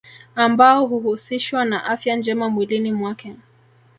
Ambao huhusishwa na afya njema mwilini mwake